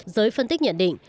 giới phân tích nhận định